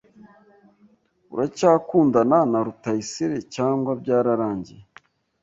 Uracyakundana na Rutayisire cyangwa byararangiye?